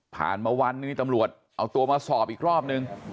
ผ่านเมื่อวันนี้ตำรวจเอาตัวมาสอบอีกรอบหนึ่ง